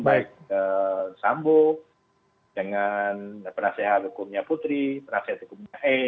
baik asambu dengan penasihat hukumnya putri penasihat hukumnya e